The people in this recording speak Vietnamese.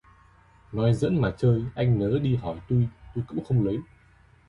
Nói giỡn mà chơi, anh nớ đi hỏi tui, tui cũng không lấy